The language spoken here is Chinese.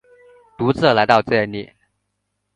独自来到这里